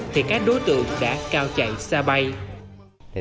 thì các đối tượng đã cao chạy xa bay